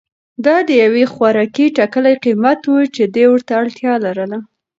دا د یوې خوراکي ټکلې قیمت و چې ده ورته اړتیا لرله.